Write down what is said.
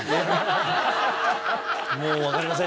もうわかりません